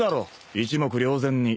一目瞭然に。